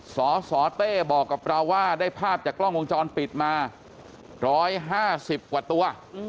สสเต้บอกกับเราว่าได้ภาพจากกล้องวงจรปิดมา๑๕๐กว่าตัว